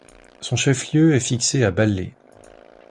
Son chef-lieu est fixé à Ballée.